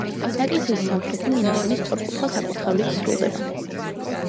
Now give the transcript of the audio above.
ეკლესიის სამხრეთი მინაშენი სწორკუთხა საკურთხევლით სრულდება.